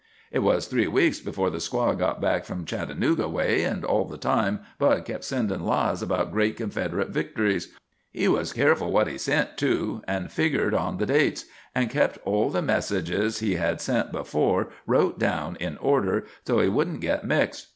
Hit was three weeks before the squad got back from Chattanooga way, and all the time Bud kept sendin' lies about great Confederate victories. He was keerful what he sent, too, and figgered on the dates, and kept all the messages he had sent before wrote down in order, so he wouldn't get mixed.